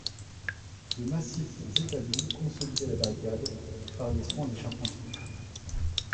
De massifs établis consolidaient la barricade, par les soins des charpentiers.